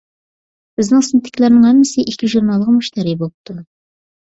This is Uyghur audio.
بىزنىڭ سىنىپتىكىلەرنىڭ ھەممىسى ئىككى ژۇرنالغا مۇشتەرى بوپتۇ.